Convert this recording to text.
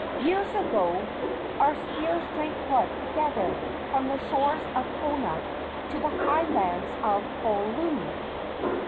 Years ago our spears drank blood together, from the shores of Kona to the high lands of Pololu!"